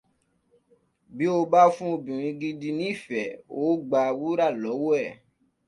Bí o bá fún obìnrin gidi nífẹ̀ẹ́, ò ó gbà wúrà lọ́wọ́ ẹ̀.